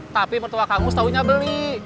tapi mertua kang mus taunya beli